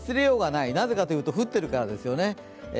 なぜかというと降ってるからですよね。